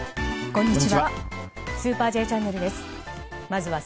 こんにちは。